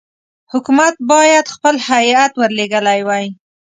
حکومت باید خپل هیات ورلېږلی وای.